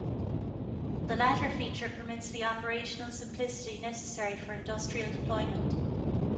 The latter feature permits the operational simplicity necessary for industrial deployment.